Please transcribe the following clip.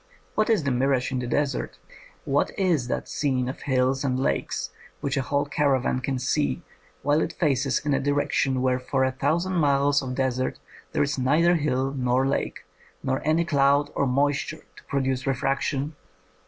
What is the mirage of the desert? What is that scene of hills and lakes which a whole cara van can see while it faces in a direction where for a thousand miles of desert there is neither hill nor lake, nor any cloud or mois ture to produce refraction?